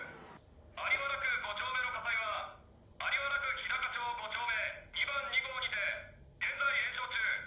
在原区５丁目の火災は在原区日高町５丁目２番２号にて現在延焼中。